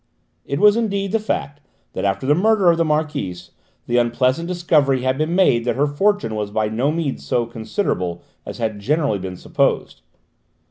It was indeed the fact that after the murder of the Marquise the unpleasant discovery had been made that her fortune was by no means so considerable as had generally been supposed.